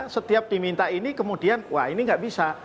setiap diminta ini kemudian wah ini nggak bisa